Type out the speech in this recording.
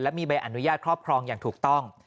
มีใบอนุญาตครอบครองอย่างถูกต้อง